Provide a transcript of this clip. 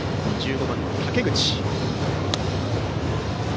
１５番の竹口。